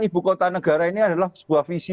ibu kota negara ini adalah sebuah visi